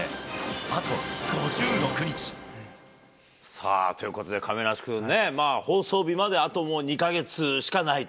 さあ、ということで亀梨君ね、放送日まで、あともう２か月しかないと。